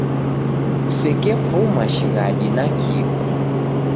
Kusekefuma shighadi nakio.